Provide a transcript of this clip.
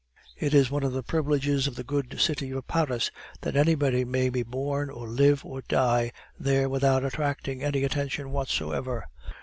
It is one of the privileges of the good city of Paris that anybody may be born, or live, or die there without attracting any attention whatsoever.